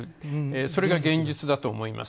それが現実だと思います。